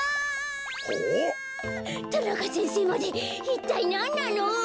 田中先生までいったいなんなの？